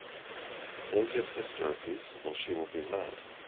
Save you sister a piece, or she will be mad.